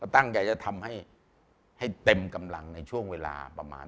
ตั้งใจจะทำให้ให้เต็มกำลังในช่วงเวลาประมาณ